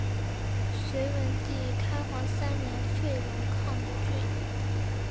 隋文帝开皇三年废龙亢郡。